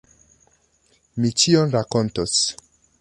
Mi ĉion rakontos!